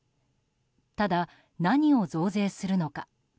ただ、何を増税するのか。